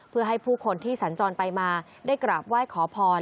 เพื่อให้ผู้คนที่สัญจรไปมาได้กราบไหว้ขอพร